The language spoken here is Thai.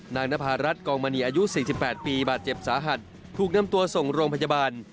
นภารัฐกองมณีอายุ๔๘ปีบาดเจ็บสาหัสถูกนำตัวส่งโรงพยาบาล